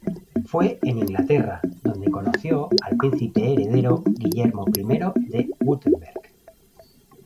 Fue en Inglaterra donde conoció al Príncipe Heredero Guillermo I de Wurtemberg.